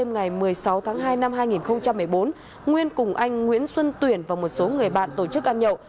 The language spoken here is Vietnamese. ngày một mươi sáu tháng hai năm hai nghìn một mươi bốn nguyên cùng anh nguyễn xuân tuyển và một số người bạn tổ chức ăn nhậu